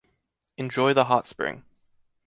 Enjoy the hot spring